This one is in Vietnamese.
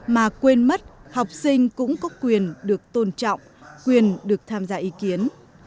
mà quên mất học sinh cũng có quyền được tôn trọng quyền được tham gia ý kiến